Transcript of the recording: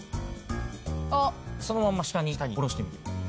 そのまんま下に下ろしてみて。